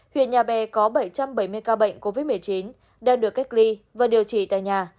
huyện nhà bè có bảy trăm bảy mươi ca bệnh covid một mươi chín đang được cách ly và điều trị tại nhà